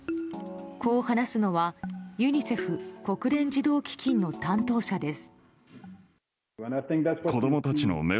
こう話すのはユニセフ・国連児童基金の担当者です。